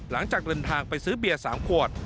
หลังจากเดินทางไปซื้อเบียร์๓ขวด